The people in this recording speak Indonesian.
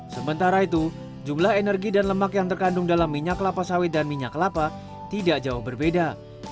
sementara itu jumlah energi dan lemak yang terkandung dalam minyak kelapa sawit dan minyak kelapa tidak jauh berbeda